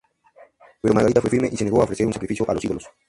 Pero Margarita fue firme y se negó a ofrecer un sacrificio a los ídolos.